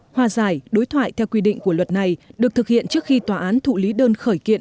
hòa giải đối thoại theo quy định của luật này được thực hiện trước khi tòa án thụ lý đơn khởi kiện